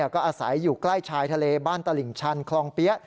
ก็อาศัยอยู่ใกล้ชายทะเลบ้านตลิ่งชันคลองเปี๊ยะ